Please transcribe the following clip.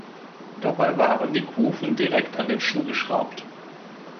Dabei waren die Kufen direkt an den Schuh geschraubt.